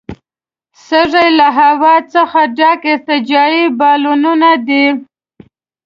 سږي له هوا څخه ډک ارتجاعي بالونونه دي.